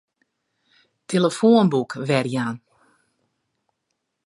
Tillefoanboek werjaan.